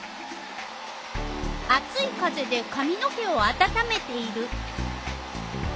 あつい風でかみの毛をあたためている。